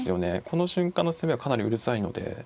この瞬間の攻めはかなりうるさいので。